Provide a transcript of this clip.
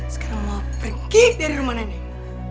sekarang mama pergi dari rumah neneng